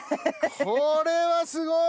これはすごい！